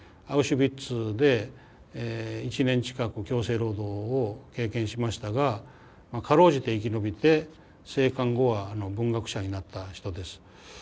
アウシュビッツで１年近く強制労働を経験しましたが辛うじて生き延びて生還後は文学者になった人です。